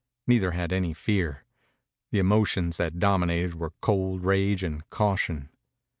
Neither had any fear. The emotions that dominated were cold rage and caution.